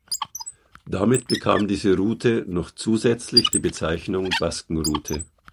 Damit bekam diese Route noch zusätzlich die Bezeichnung "Basken-Route".